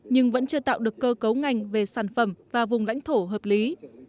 nhưng vẫn chưa tạo được cơ cấu ngành về sản phẩm và vùng lãnh thổ hợp lý